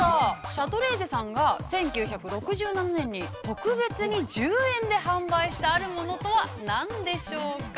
シャトレーゼさんが１９６７年に特別に１０円で販売したあるものとは、何でしょうか。